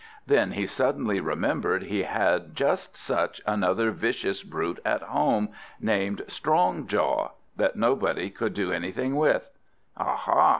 Then he suddenly remembered he had just such another vicious brute at home, named Strongjaw, that nobody could do anything with. "Aha!"